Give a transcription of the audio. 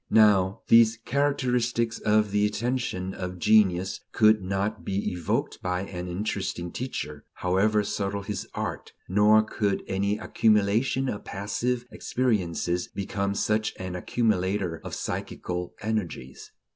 Now, these characteristics of the attention of genius could not be evoked by an "interesting" teacher, however subtle his art; nor could any accumulation of passive experiences become such an accumulator of psychical energies.